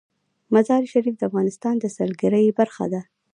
مزارشریف د افغانستان د سیلګرۍ برخه ده.